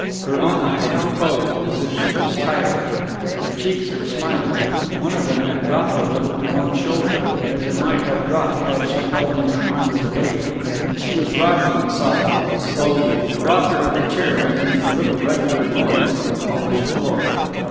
Her own eyes were closed, as if she was tired; her cheeks were smiling; one of them had dropped a little to one shoulder, as it might have dropped had she held in her arms a babe; and she was rocking, softly, slowly, the rocker of the chair making a little regular noise on the polished floor.